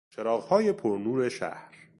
چراغهای پر نور شهر